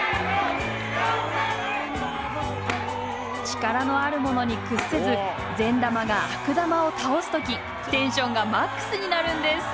力のある者に屈せず善玉が悪玉を倒す時テンションがＭＡＸになるんです。